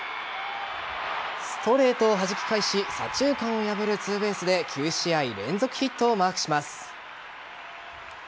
ストレートをはじき返し左中間を破るツーベースで９試合連続ヒットをマークします。